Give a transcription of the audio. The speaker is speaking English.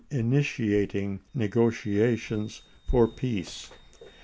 initiating negotiations for peace.